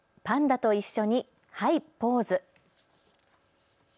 パンダと一緒にはい、ポーズ！